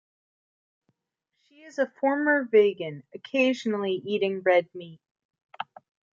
She is a former vegan, occasionally eating red meat.